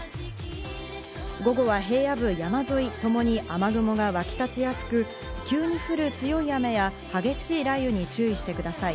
午後は平野部、山沿いともに雨雲が沸き立ちやすく、急に降る強い雨や激しい雷雨に注意してください。